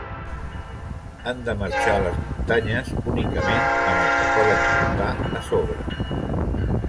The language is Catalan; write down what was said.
Han de marxar a les muntanyes únicament amb el que poden portar a sobre.